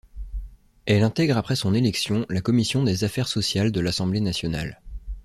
Elle intègre après son élection la commission des Affaires sociales de l'Assemblée nationale.